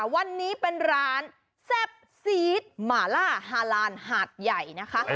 วันนี้เป็นร้านแซ่บซีดหมาล่าฮาลานหาดใหญ่นะคะ